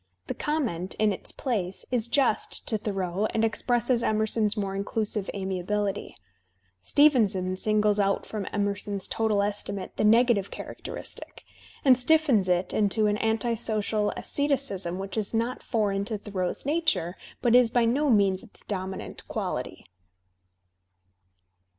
The comment, in its place» is just to Thoreau and expresses Emerson's more inclusive amiability. Stevenson singles out from Emerson's total estimate the negative characteristic, and stiffens it into an anti social asceticism which is not foreign to Thoreau's nature but is by no means its dominant quality.